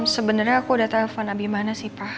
sebenernya aku udah telepon abimana sih pak